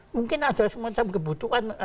mungkin ada semacam kebutuhan